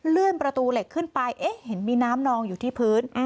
ประตูเหล็กขึ้นไปเอ๊ะเห็นมีน้ำนองอยู่ที่พื้น